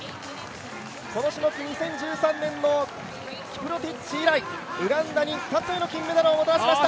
この種目、２０１３年のキプロティチ以来ウガンダに２つ目の金メダルをもたらした！